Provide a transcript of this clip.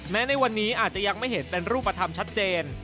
ในวันนี้อาจจะยังไม่เห็นเป็นรูปธรรมชัดเจน